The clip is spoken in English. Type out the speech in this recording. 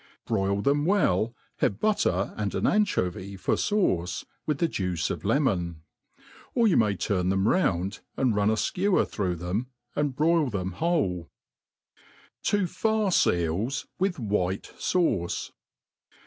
Broil them well, have butter and an an chery for iauce, with the juice of Ijcmon. Or you may twa tbtoi round, and nni a (kewer through them, and broil thent n^hole* To farce Eels whh WhiU Sauce.